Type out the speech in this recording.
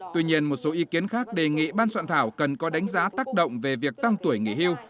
tuy nhiên một số ý kiến khác đề nghị ban soạn thảo cần có đánh giá tác động về việc tăng tuổi nghỉ hưu